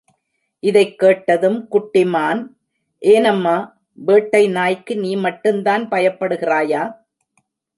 இதைக் கேட்டதும் குட்டி மான், ஏனம்மா, வேட்டை நாய்க்கு நீ மட்டும்தான் பயப்படுகிறாயா?